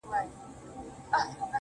پرون دي بيا راڅه خوښي يووړله.